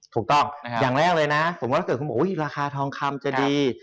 ถูกต้องอย่างแรกเลยนะผมบอกเรื่องก่อนผมว่าอุ๊ยคือราคาทองคำจะดี